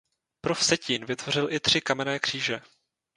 Pro Vsetín vytvořil i tři kamenné kříže.